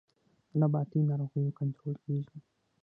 د نباتي ناروغیو کنټرول کیږي